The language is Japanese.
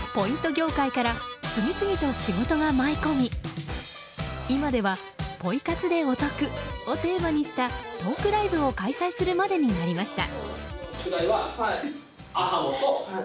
業界から次々と仕事が舞い込み今では「ポイ活でお得」をテーマにしたトークライブを開催するまでになりました。